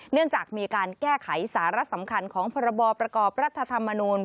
เนื่องจากมีการแก้ไขสาระสำคัญของพรบประกอบรัฐธรรมนูล